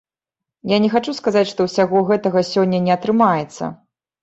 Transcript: Я не хачу сказаць, што ўсяго гэтага сёння не атрымаецца.